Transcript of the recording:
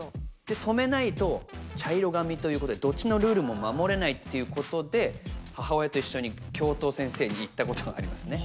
染めないと茶色髪ということでどっちのルールも守れないっていうことで母親と一緒に教頭先生に言ったことがありますね。